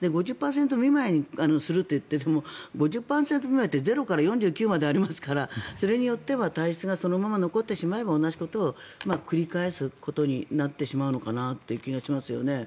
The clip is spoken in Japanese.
５０％未満にするといっても５０％未満って０から４９までありますから、それによっては体質がそのまま残ってしまえば同じことを繰り返すことになってしまうのかなという気がしますよね。